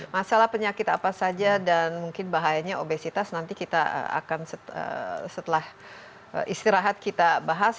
masalah penyakit apa saja dan mungkin bahayanya obesitas nanti kita akan setelah istirahat kita bahas